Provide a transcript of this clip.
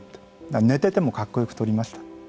だから寝ててもかっこよく撮りました。